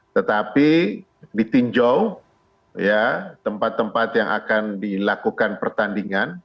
tetapi ditinjau tempat tempat yang akan dilakukan pertandingan